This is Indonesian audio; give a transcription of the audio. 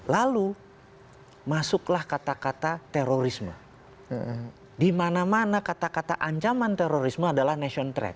lalu masuklah kata kata terorisme di mana mana kata kata ancaman terorisme adalah national track